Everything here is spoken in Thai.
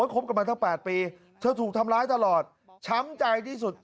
คบกันมาตั้ง๘ปีเธอถูกทำร้ายตลอดช้ำใจที่สุด